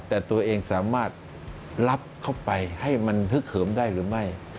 แต่ตัวเองสามารถรับเข้าไปให้มันฮึกเหิมได้หรือไม่